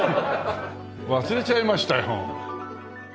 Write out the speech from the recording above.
忘れちゃいましたよ。